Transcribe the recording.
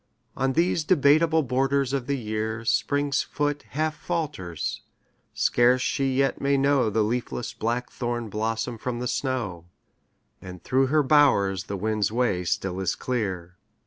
On these debateable* borders of the year Spring's foot half falters; scarce she yet may know The leafless blackthorn blossom from the snow; And through her bowers the wind's way still is clear.